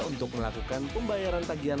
untuk melakukan pembayaran tagihan